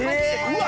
うわ！